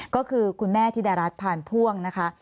ก็คือคุณแม่ธิดารัฐพานพ่วงนะคะ